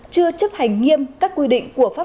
chưa chấp hành nghiêm các quy định của